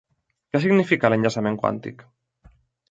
Què significa l'enllaçament quàntic?